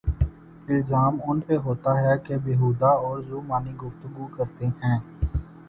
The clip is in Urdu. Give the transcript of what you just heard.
الزام ان پہ ہوتاہے کہ بیہودہ اورذومعنی گفتگو کرتے ہیں۔